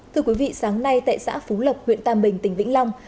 thưa quý vị sáng nay tại xã phú lộc huyện tam bình tỉnh vĩnh long